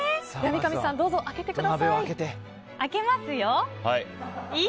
三上さん、どうぞ開けてください。